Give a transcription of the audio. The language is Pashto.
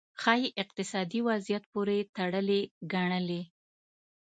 ښايي اقتصادي وضعیت پورې تړلې ګڼلې.